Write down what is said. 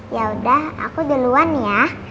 ya udah aku duluan ya